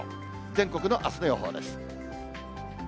全国のあすの予報です。